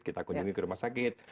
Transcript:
kita kunjungi ke rumah sakit